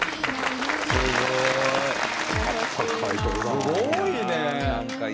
すごいね！